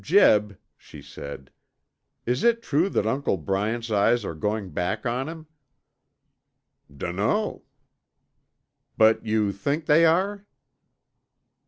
"Jeb," she said, "is it true that Uncle Bryant's eyes are going back on him?" "Dunno." "But you think they are?"